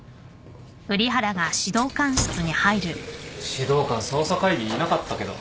指導官捜査会議にいなかったけど。